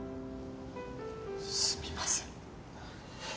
すみません。